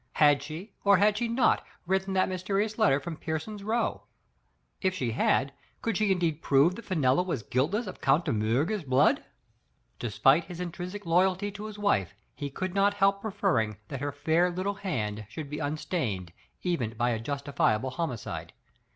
Had she, or had she not, written that mysterious letter from Pear son's Row? If she had, could she indeed prove that Fenella was guiltless of Count de Miirger's blood? Digitized by Google 3o8 TitE PaTM op micella. Despite his intrinsic loyalty to his wife, he could not help preferring that her fair little hand should be unstained even by a justifiable homi cide.